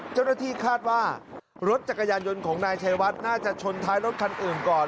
เจ้าหน้าที่คาดว่ารถจักรยานยนต์ของนายชัยวัดน่าจะชนท้ายรถคันอื่นก่อน